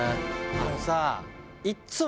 あのさ。